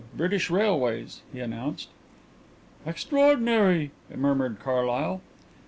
British Railways,'" he announced. "Extraordinary," murmured Carlyle.